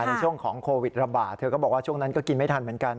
ในช่วงของโควิดระบาดเธอก็บอกว่าช่วงนั้นก็กินไม่ทันเหมือนกัน